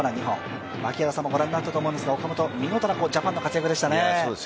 槙原さんも御覧になったと思いますが、岡本、見事なバッティングでしたね。